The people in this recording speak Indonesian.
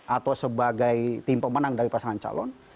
atau sebagai tim pemenang dari pasangan calon